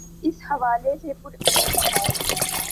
اس حوالے سے پرا مید ہے۔